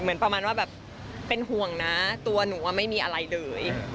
เหมือนประมาณว่าแบบเป็นห่วงนะตัวหนูไม่มีอะไรเลย